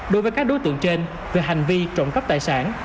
đối với các đối tượng trên về hành vi trộm cắp tài sản